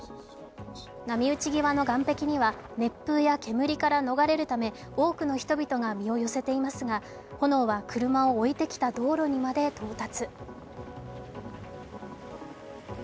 波打ち側の岸壁には熱風や煙から逃れるため、多くの人々が身を寄せていますが炎は車を置いてきた道路にまで到達。